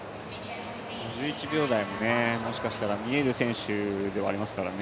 １１秒台も、もしかしたら見える選手ではありますからね。